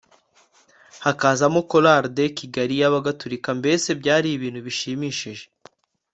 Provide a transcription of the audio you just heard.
hakazamo Chorale de Kigali y’Abagaturika; mbese byari ibintu bishimishije